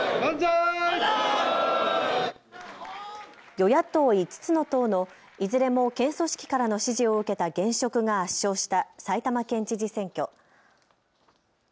与野党５つの党のいずれも県組織からの支持を受けた現職が圧勝した埼玉県知事選挙。